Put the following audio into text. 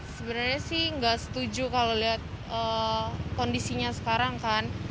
sebenarnya sih nggak setuju kalau lihat kondisinya sekarang kan